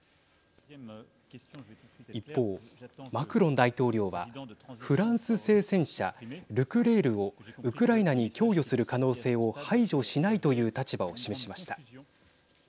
一方、マクロン大統領はフランス製戦車ルクレールをウクライナに供与する可能性を排除しないという立場を示しました。